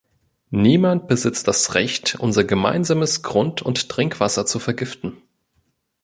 Niemand besitzt das Recht, unser gemeinsames Grund- und Trinkwasser zu vergiften.